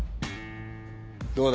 どうだ？